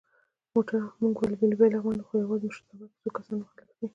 مونږ ملی بیرغ منو خو یواځې مشرتابه کې څو کسان یې مخالف دی.